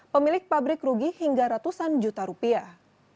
pemilik pabrik rugi hingga ratusan juta rupiah